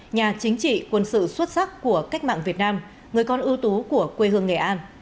nhà chính trị quân sự xuất sắc của cách mạng việt nam người con ưu tú của quê hương nghệ an